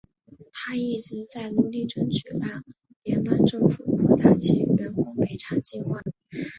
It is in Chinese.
她一直在努力争取让联邦政府扩大其员工赔偿计划。